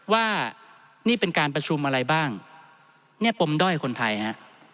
ว่านี่เป็นการประชุมอะไรบ้างเนี่ยปมด้อยคนไทยฮะ